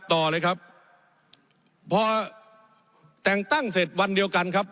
ต่อเลยครับพอแต่งตั้งเสร็จวันเดียวกันครับ